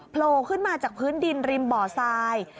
โผล่ขึ้นมาจากพื้นดินริมบ่อทราย